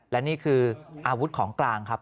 และนี่คืออาวุธของกลางครับ